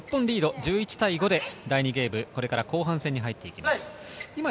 １１対５で第２ゲーム、これから後半戦に入っていきます。